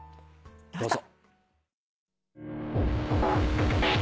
どうぞ。